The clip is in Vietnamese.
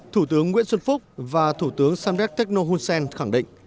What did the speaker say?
thủ tướng nguyễn xuân phúc và thủ tướng samdech techo hun sen khẳng định